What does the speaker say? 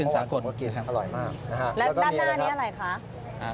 อร่อยมากแล้วก็มีอะไรครับแล้วด้านหน้านี้อะไรคะ